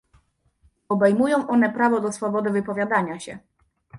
Obejmują one prawo do swobody wypowiadania się